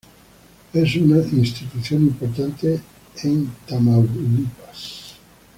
Es una institución importante en Tamaulipas.